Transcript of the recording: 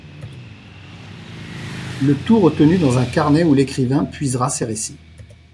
Le tout retenu dans un carnet où l'écrivain puisera ses récits.